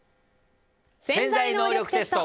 「潜在能力テスト」。